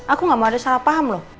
aku gak mau ada salah paham loh